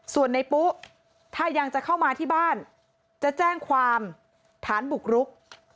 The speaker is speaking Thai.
ส่วนในปุ๊ถ้ายังจะเข้ามาที่บ้านจะแจ้งความฐานบุกรุก